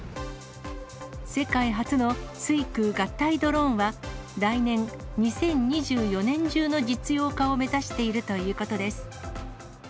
世界初の水空合体ドローンは、来年・２０２４年中の実用化を目指しているということです。